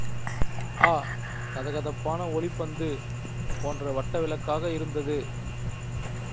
அ கதகதப்பான ஒளிப்பந்து போன்ற வட்டவிளக்காக இருந்தது.